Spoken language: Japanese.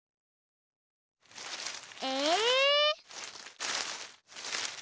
え？